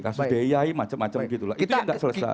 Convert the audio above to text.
kasus diy macam macam gitu itu yang tidak selesai